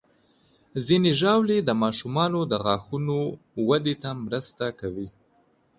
ځینې ژاولې د ماشومانو د غاښونو وده ته مرسته کوي.